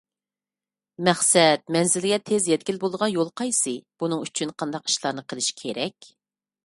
مەقسەت مەنزىلىگە تېز يەتكىلى بولىدىغان يول قايسى، بۇنىڭ ئۈچۈن قانداق ئىشلارنى قىلىش كېرەك؟